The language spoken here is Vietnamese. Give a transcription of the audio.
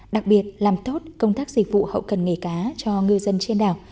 đặc biệt làm tốt công tác dịch vụ hậu cần nghề cá cho ngư dân trên đảo